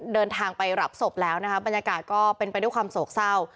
เดินทางไปรับศพแล้วนะคะบรรยากาศก็เป็นไปด้วยความโศกเศร้า